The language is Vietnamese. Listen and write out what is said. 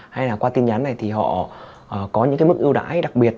hay là qua tin nhắn này thì họ có những cái mức ưu đãi đặc biệt